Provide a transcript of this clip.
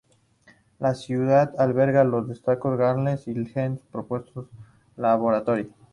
La ciudad alberga los Descanso Gardens y el Jet Propulsion Laboratory.